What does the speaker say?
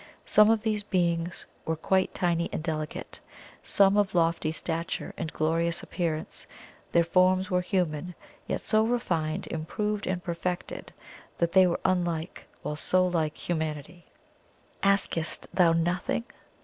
Some of these beings were quite tiny and delicate some of lofty stature and glorious appearance: their forms were human, yet so refined, improved, and perfected, that they were unlike, while so like humanity. "Askest thou nothing?"